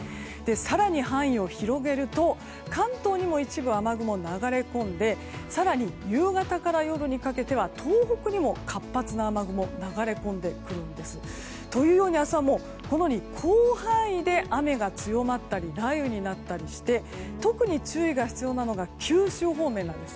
更に範囲を広げると関東にも一部雨雲が流れ込んで更に夕方から夜にかけては東北にも活発な雨雲が流れ込んでくるんです。というように明日は広範囲で雨が強まったり雷雨になったりして特に注意が必要なのが九州方面。